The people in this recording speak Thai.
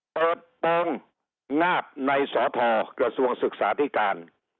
เปิดโปรงงาบในสทกระทรวงศึกษาธิการ